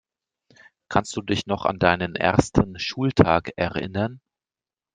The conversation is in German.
Kannst du dich noch an deinen ersten Schultag erinnern?